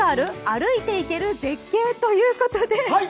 歩いて行ける絶景」ということで。